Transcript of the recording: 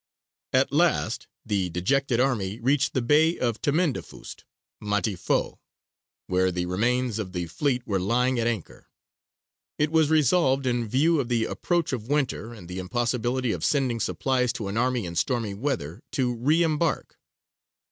At last the dejected army reached the Bay of Temendefust (Matifoux), where the remains of the fleet were lying at anchor. It was resolved, in view of the approach of winter and the impossibility of sending supplies to an army in stormy weather, to reëmbark.